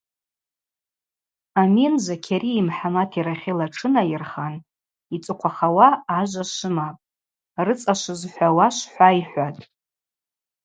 Амин Закьарыйи Мхӏамати рахьыла тшынайырхан: Йцӏыхъвахауа ажва швымапӏ, рыцӏа швызхӏвауа швхӏва, – йхӏватӏ.